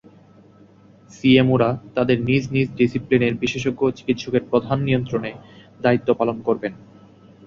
সিএমওরা তাঁদের নিজ নিজ ডিসিপ্লিনের বিশেষজ্ঞ চিকিৎসকের প্রত্যক্ষ নিয়ন্ত্রণে দায়িত্ব পালন করবেন।